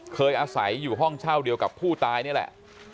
เคยอาศัยอยู่ห้องเช่าเดียวกับผู้ตายนี่แหละ